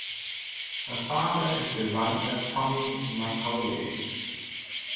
Her father is the writer Tony Macaulay.